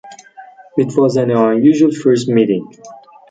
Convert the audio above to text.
It was an unusual first meeting.